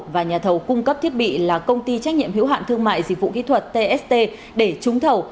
và nhà thầu cung cấp thiết bị là công ty trách nhiệm hiếu hạn thương mại dịch vụ kỹ thuật tst để trúng thầu